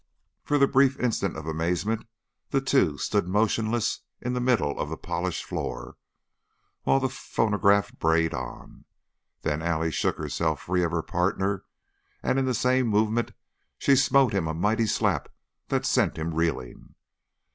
For the briefest instant of amazement the two stood motionless in the middle of the polished floor while the phonograph brayed on; then Allie shook herself free of her partner, and in the same movement she smote him a mighty slap that sent him reeling.